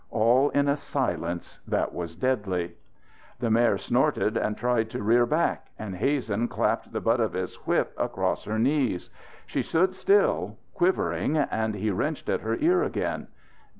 All in a silence that was deadly. The mare snorted and tried to rear back and Hazen clapped the butt of his whip across her knees. She stood still, quivering, and he wrenched at her ear again.